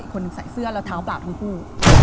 อีกคนหนึ่งใส่เสื้อแล้วเท้าปากทุก